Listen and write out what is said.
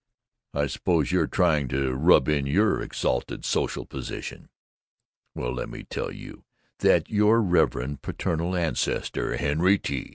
I suppose you're trying to rub in your exalted social position! Well, let me tell you that your revered paternal ancestor, Henry T.